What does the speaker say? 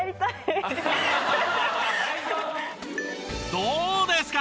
どうですか？